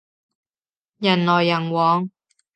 人來人往